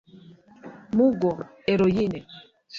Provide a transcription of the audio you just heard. Mugo (Héroïne)